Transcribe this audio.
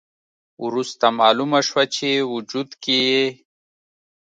وروسته مالومه شوه چې وجود کې یې